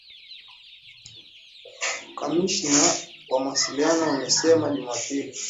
kamishna wa mawasiliano amesema Jumapili